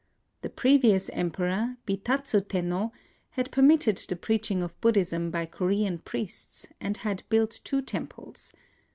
The previous Emperor, Bitatsu Tenno, had per mitted the preaching of Buddhism by Korean priests, and had built two temples.